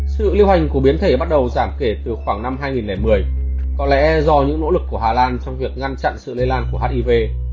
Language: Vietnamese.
sự lưu hành của biến thể bắt đầu giảm kể từ khoảng năm hai nghìn một mươi có lẽ do những nỗ lực của hà lan trong việc ngăn chặn sự lây lan của hiv